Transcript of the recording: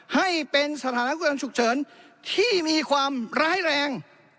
ให้เป็นสถานการณ์ฉุกเฉินที่มีความร้ายแรง